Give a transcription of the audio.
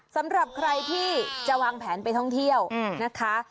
สำหรับใครที่จะวางแผนไปท่องเที่ยวนะคะ